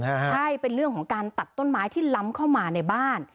ใช่เป็นเรื่องของการตัดต้นไม้ที่ล้ำเข้ามาในบ้าน